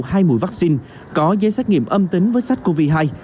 các hành khách phải đảm bảo tiêm đủ hai mũi vắc xin có giấy xét nghiệm âm tính với sách covid hai